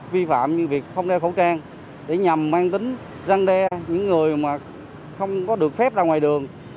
vi phạm như việc không đeo khẩu trang để nhằm mang tính răng đe những người mà không có được phép ra ngoài đường